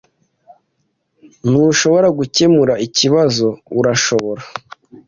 Ntushobora gukemura ikibazo, urashobora?